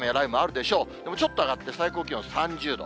でも、ちょっと上がって、最高気温３０度。